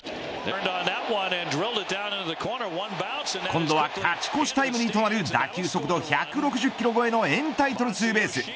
今度は勝ち越しタイムリーとなる打球速度１６０キロ越えのエンタイトルツーベース。